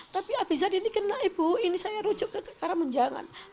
tapi abis itu ini kena ibu ini saya rujuk ke karamunjangan